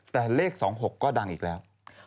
แต่เลข๒๖ก็ดังอีกแล้ว